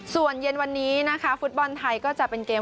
ส่วนเย็นวันนี้นะคะฟุตบอลไทยก็จะเป็นเกม